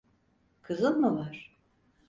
Kızın mı var?